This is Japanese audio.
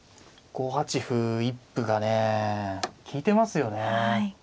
５八歩一歩がね利いてますよね。